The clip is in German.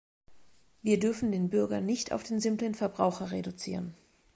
Wir dürfen den Bürger nicht auf den simplen Verbraucher reduzieren.